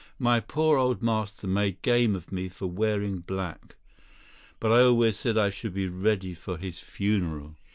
"My poor old master made game of me for wearing black; but I always said I should be ready for his funeral."